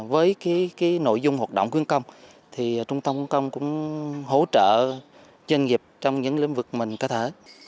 với nội dung hoạt động khuyến công trung tâm khuyến công cũng hỗ trợ doanh nghiệp trong những lĩnh vực mình có thể